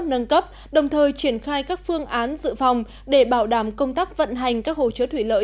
nâng cấp đồng thời triển khai các phương án dự phòng để bảo đảm công tác vận hành các hồ chứa thủy lợi